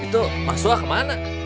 itu mas suha kemana